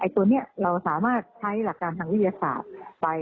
ตัวนี้เราสามารถใช้หลักการทางวิทยาศาสตร์ไป